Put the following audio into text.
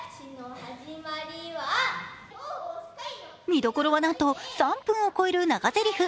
見どころは、なんと３分を超える長ぜりふ。